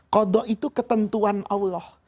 khodo itu ketentuan allah